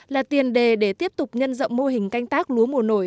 là tiền đề để tiếp tục nhân rộng mô hình canh tác lúa mùa nổi